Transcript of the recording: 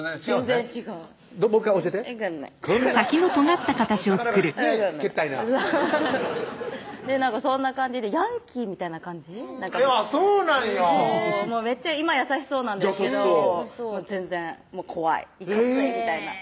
全然違うもう１回教えてこんなんなかなかねけったいなそんな感じでヤンキーみたいな感じそうなんやそう今優しそうなんですけど全然怖いいかついみたいな